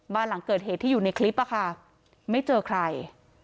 บ้านหลังเกิดเหตุที่อยู่ในคลิปอะค่ะไม่เจอใคร